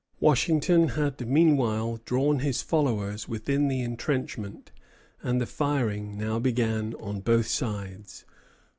Washington had meanwhile drawn his followers within the entrenchment; and the firing now began on both sides.